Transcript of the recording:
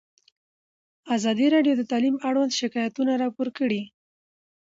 ازادي راډیو د تعلیم اړوند شکایتونه راپور کړي.